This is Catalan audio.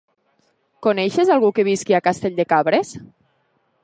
Coneixes algú que visqui a Castell de Cabres?